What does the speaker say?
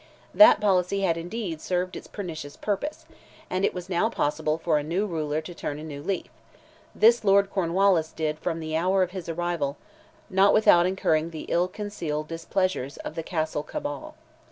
That policy had, indeed, served its pernicious purpose, and it was now possible for a new ruler to turn a new leaf; this Lord Cornwallis did from the hour of his arrival, not without incurring the ill concealed displeasures of the Castle cabal.